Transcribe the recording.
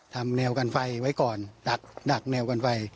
แนวกันไฟไว้ก่อนดักแนวกันไฟ